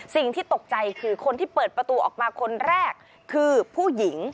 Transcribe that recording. สิ่งที่ตกใจคือคนที่เปิดประตูออกมาคนแรกคือผู้หญิง